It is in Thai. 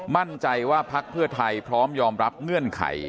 มั่นใจว่าพักเพื่อไทยพร้อมยอมรับเงื่อนไข